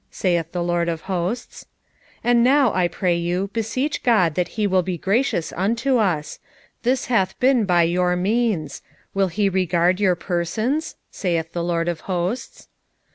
saith the LORD of hosts. 1:9 And now, I pray you, beseech God that he will be gracious unto us: this hath been by your means: will he regard your persons? saith the LORD of hosts.